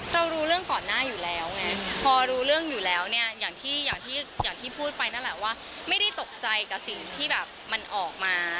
รู้เรื่องก่อนหน้าอยู่แล้วไงพอรู้เรื่องอยู่แล้วเนี่ยอย่างที่อย่างที่พูดไปนั่นแหละว่าไม่ได้ตกใจกับสิ่งที่แบบมันออกมา